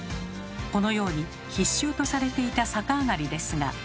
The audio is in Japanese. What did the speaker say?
このように必修とされていた逆上がりですが。